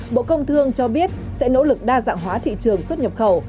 bộ công thương cho biết sẽ nỗ lực đa dạng hóa thị trường xuất nhập khẩu